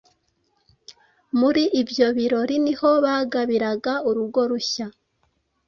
Muri ibyo birori ni ho bagabiraga urugo rushya.